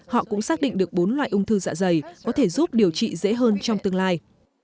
họ cũng xác định được bốn loại ung thư dạ dày có thể giúp điều trị dễ hơn trong tương lai